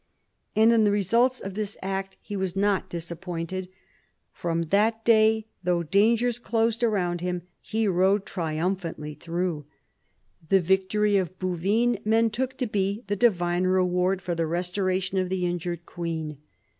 And in the results of his act he was not disappointed. vi PHILIP AND THE PAPACY 179 From that day, though dangers closed around him, he rode triumphantly through. The victory of Bouvines men took to be the Divine reward for the restoration of the injured queen.